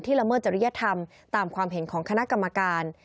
ละเมิดจริยธรรมตามความเห็นของคณะกรรมการ